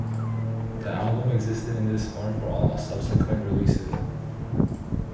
The album existed in this form for all subsequent releases.